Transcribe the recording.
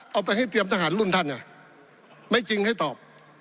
เอาไปให้เตรียมทหารรุ่นท่านไม่จริงให้ตอบ